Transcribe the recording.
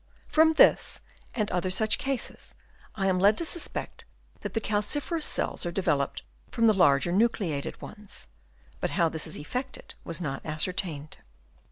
From this and other such cases I am led to suspect that the calciferous cells are developed from the larger nucleated ones ; but how this is effected was not ascertained.